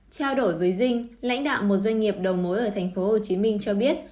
trao đổi với dinh lãnh đạo một doanh nghiệp đầu mối ở tp hcm cho biết